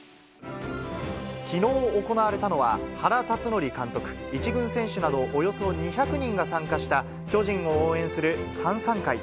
きのう行われたのは、原辰徳監督、１軍選手などおよそ２００人が参加した、巨人を応援する燦燦会。